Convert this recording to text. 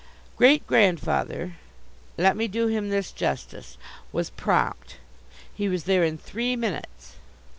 Great grandfather let me do him this justice was prompt. He was there in three minutes.